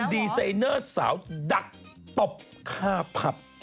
โดนดีไซเนอร์สาวดักตบฆ่าพัพ